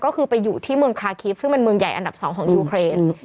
ก็คือไปอยู่ที่เมืองคลาคีฟซึ่งเป็นเมืองใหญ่อันดับ๒ของยูเครน